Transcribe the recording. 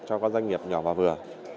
cho các doanh nghiệp nhỏ và vừa